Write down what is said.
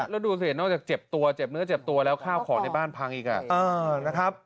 แล้วดูสินอกจากเจ็บตัวเจ็บเนื้อเจ็บตัวแล้วข้าวของในบ้านพังอีกนะครับ